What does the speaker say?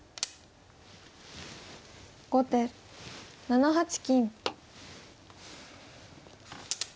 後手７八金。